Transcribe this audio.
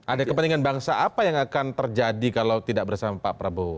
ada kepentingan bangsa apa yang akan terjadi kalau tidak bersama pak prabowo